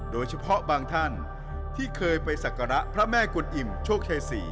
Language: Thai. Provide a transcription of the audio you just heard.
โดยเฉพาะบางท่านที่เคยไปศักระพระแม่กุลอิ่มโชคชัยศรี